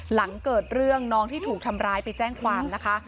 หลังเกิดเรื่องน้องที่ถูกทำร้ายไปแจ้งความนะคะ